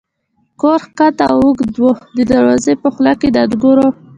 کور کښته او اوږد و، د دروازې په خوله کې د انګورو.